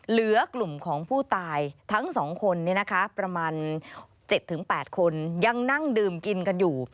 เหลือกลุ่มของผู้ตายทั้ง๒คนประมาณ๗๘คนยังนั่งดื่มกินกันอยู่